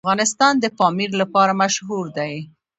افغانستان د پامیر لپاره مشهور دی.